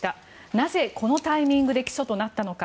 なぜ、このタイミングで起訴となったのか。